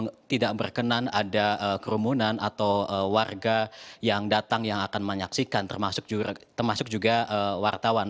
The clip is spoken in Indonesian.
yang tidak berkenan ada kerumunan atau warga yang datang yang akan menyaksikan termasuk juga wartawan